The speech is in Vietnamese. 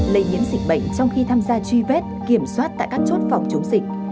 lây nhiễm dịch bệnh trong khi tham gia truy vết kiểm soát tại các chốt phòng chống dịch